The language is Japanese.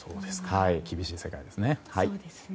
厳しい世界ですね。